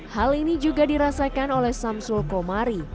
hal ini juga dirasakan oleh samsul komari